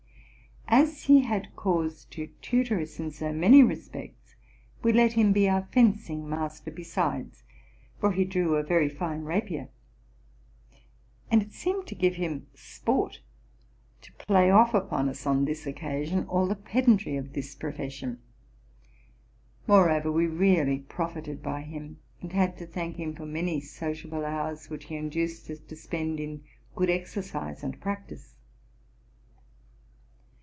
As he had cause to tutor us in so many respects, we let him be our fencing master besides, for he drew a very fine rapier; and it seemed to give him sport to play off upon us, on this oceasion, all the pedantry of this profession. Moreover, we really profited by him, and had to thank him for many socia ble hours, which he induced us to spend in good exercise and practice.